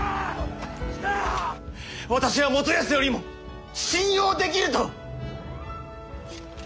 私は元康よりも信用できぬと！